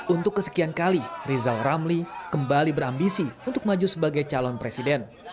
untuk kesekian kali rizal ramli kembali berambisi untuk maju sebagai calon presiden